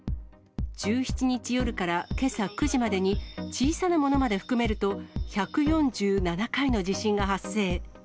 １７日夜からけさ９時までに、小さなものまで含めると、１４７回の地震が発生。